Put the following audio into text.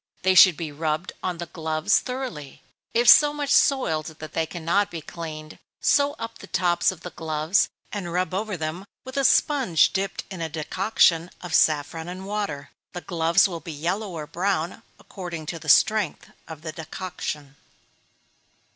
They should be rubbed on the gloves thoroughly. If so much soiled that they cannot be cleaned, sew up the tops of the gloves, and rub them over with a sponge dipped in a decoction of saffron and water. The gloves will be yellow or brown, according to the strength of the decoction.